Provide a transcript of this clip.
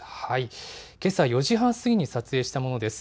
けさ４時半過ぎに撮影したものです。